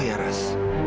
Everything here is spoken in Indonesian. oh ya ras